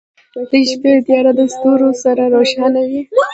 • د شپې تیاره د ستورو سره روښانه وي.